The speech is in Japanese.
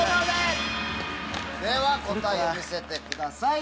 では答えを見せてください。